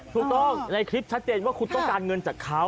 ถูกต้องในคลิปชัดเจนว่าคุณต้องการเงินจากเขา